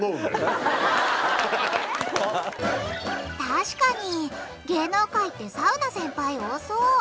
確かに芸能界ってサウナ先輩多そう。